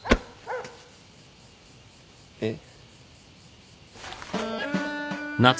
えっ。